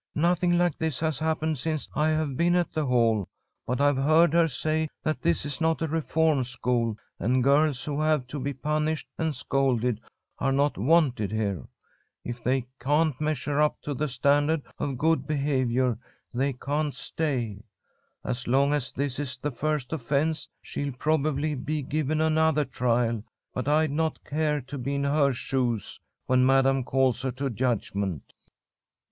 "Nothing like this has happened since I have been at the Hall, but I've heard her say that this is not a reform school, and girls who have to be punished and scolded are not wanted here. If they can't measure up to the standard of good behaviour, they can't stay. As long as this is the first offence, she'll probably be given another trial, but I'd not care to be in her shoes when Madam calls her to judgment."